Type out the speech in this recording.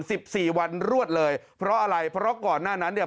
สิบสี่วันรวดเลยเพราะอะไรเพราะก่อนหน้านั้นเนี่ย